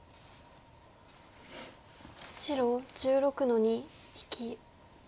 白１６の二引き。